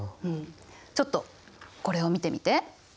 ちょっとこれを見てみて。